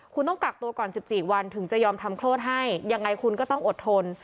คุณต้องกักตัวก่อน๑๔วันถึงจะยอมทำโทษให้ยังไงคุณก็ต้องอดทน